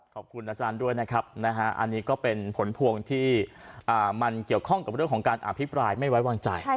ขอบคุณอาจารย์ด้วยนะครับอันนี้ก็เป็นผลพวงที่มันเกี่ยวข้องกับเรื่องของการอภิปรายไม่ไว้วางใจ